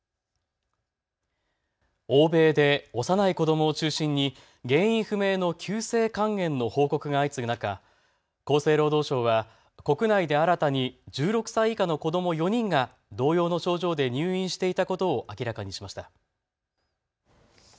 欧米で幼い子どもを中心に原因不明の急性肝炎の報告が相次ぐ中、厚生労働省は国内で新たに１６歳以下の子ども４人が同様の症状で入院していたことを明らかにしました。